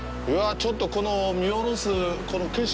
ちょっと、この見下ろすこの景色！